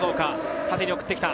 縦に送ってきた。